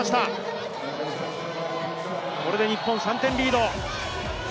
これで日本、３点リード。